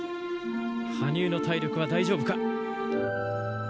羽生の体力は大丈夫か。